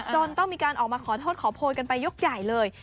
จนต้องมีการออกมาขอโทษขอโพยกันไปยกใหญ่เลย